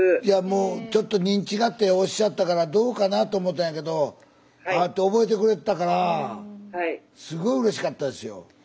いやもうちょっと認知がっておっしゃったからどうかなと思ったんやけど会って覚えてくれてたからすごいうれしかったですよ。